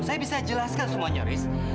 saya bisa jelaskan semuanya risk